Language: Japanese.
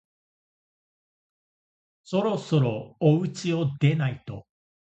そろそろおうちを出ないと